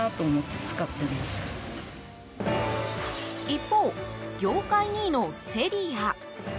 一方、業界２位のセリア。